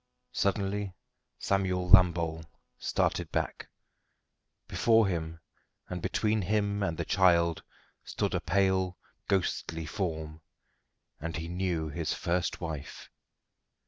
Suddenly Samuel Lambole started back. Before him, and between him and the child, stood a pale, ghostly form, and he knew his first wife.